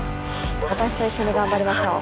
私と一緒にがんばりましょう。